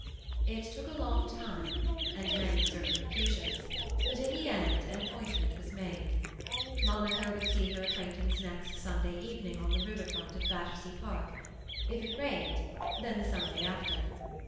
It took a long time, and many circumlocutions, but in the end an appointment was made. Monica would see her acquaintance next Sunday evening on the river front of Battersea Park; if it rained, then the Sunday after.